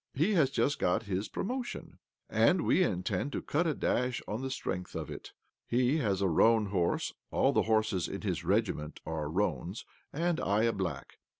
He has just got his promotion, arid we intend to cut a dash on the strength of it. He has a roan horse — all the horses in his regiment are roans — and I a black.